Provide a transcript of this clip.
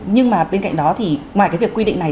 nhưng mà bên cạnh đó thì ngoài cái việc quy định này